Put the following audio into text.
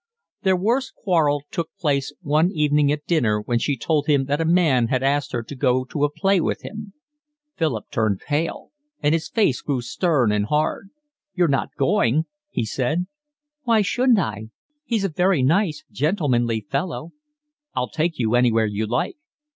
Their worst quarrel took place one evening at dinner when she told him that a man had asked her to go to a play with him. Philip turned pale, and his face grew hard and stern. "You're not going?" he said. "Why shouldn't I? He's a very nice gentlemanly fellow." "I'll take you anywhere you like."